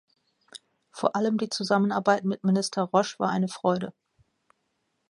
Vor allem die Zusammenarbeit mit Minister Roche war eine Freude.